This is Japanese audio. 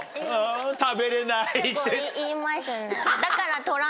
ん食べれないって？言いますね。